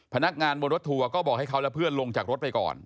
พนักงานบนรถทัวร์ก็บอกให้เขาและเพื่อนลงจากรถไปก่อน